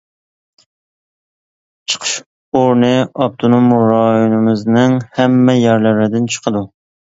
چىقىش ئورنى ئاپتونوم رايونىمىزنىڭ ھەممە يەرلەردىن چىقىدۇ.